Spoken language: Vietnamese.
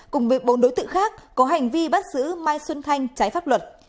cùng với bốn đối tượng khác có hành vi bắt giữ mai xuân thanh trái pháp luật